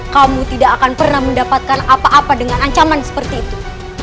kamu tidak akan pernah mendapatkan apa apa dengan ancaman seperti itu